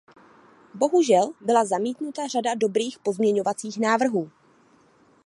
Bohužel byla zamítnuta řada dobrých pozměňovacích návrhů.